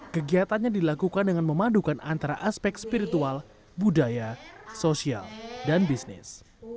kegiatannya dilakukan dengan memadukan antara aspek spiritual budaya sosial dan bisnis